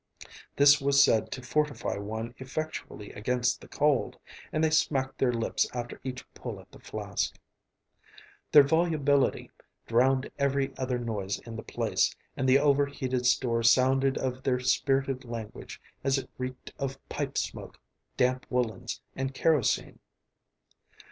This was said to fortify one effectually against the cold, and they smacked their lips after each pull at the flask. Their volubility drowned every other noise in the place, and the overheated store sounded of their spirited language as it reeked of pipe smoke, damp woolens, and kerosene.